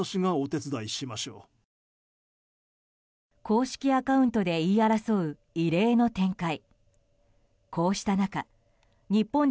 公式アカウントで言い争う異例の展開。